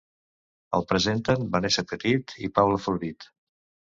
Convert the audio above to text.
El presenten Vanessa Petit i Paula Florit.